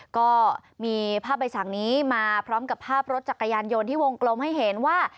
ก็มีภาพใบสั่งนี้มาพร้อมกับภาพรถจักรยานยนต์ที่วงกลมให้เห็นว่า